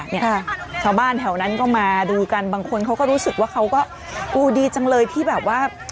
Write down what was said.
เนี่ยชาวบ้านแถวนั้นก็มาดูกันบางคนเขาก็รู้สึกว่าเขาก็โอ้ดีจังเลยที่แบบว่า